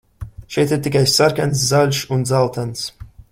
Šeit ir tikai sarkans, zaļš un dzeltens.